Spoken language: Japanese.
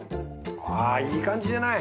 あいい感じじゃない！